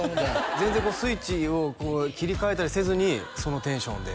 全然スイッチをこう切り替えたりせずにそのテンションで？